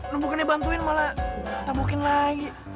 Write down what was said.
nung buka nek bantuin malah tabukin lagi